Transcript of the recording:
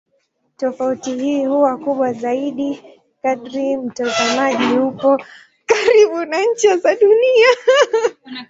Tofauti hii huwa kubwa zaidi kadri mtazamaji yupo karibu na ncha za Dunia.